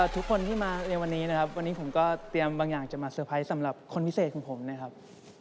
ทุกคนที่มาในวันนี้นะครับวันนี้ผมก็เตรียมบางอย่างจะมาเตอร์ไพรส์สำหรับคนพิเศษของผมนะครับ